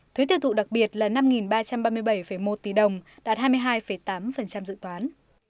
thuế tiêu thụ đặc biệt là năm ba trăm ba mươi bảy một tỷ đồng đạt hai mươi hai tám dự toán